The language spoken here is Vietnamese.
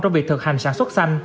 trong việc thực hành sản xuất xanh